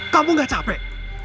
kamu gak capek